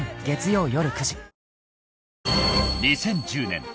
［２０１０年